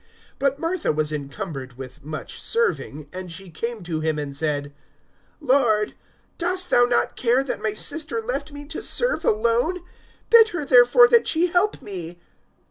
(40)But Martha was encumbered with much serving; and she came to him, and said: Lord, dost thou not care that my sister left me to serve alone? Bid her therefore that she help me.